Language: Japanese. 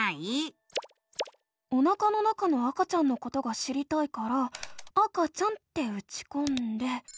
おなかの中の赤ちゃんのことが知りたいから「赤ちゃん」ってうちこんで。